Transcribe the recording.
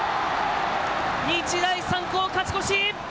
日大三高勝ち越し。